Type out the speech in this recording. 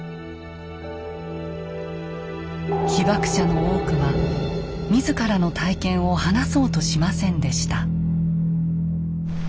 被爆者の多くは自らの体験を話そうとしませんでした。